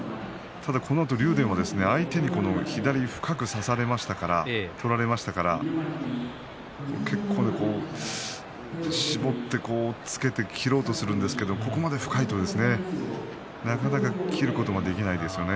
竜電は相手に左を深く取られましたから結構、絞って押っつけて切ろうとするんですけどここまで深いと、なかなか切ることができないんですよね。